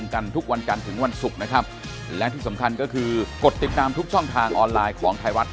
ขอบคุณนะครับขอบคุณนะครับ